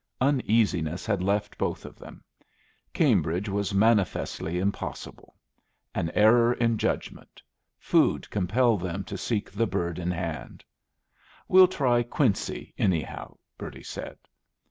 Uneasiness had left both of them. Cambridge was manifestly impossible; an error in judgment; food compelled them to seek the Bird in Hand. "We'll try Quincy, anyhow," Bertie said.